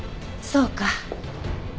そうか。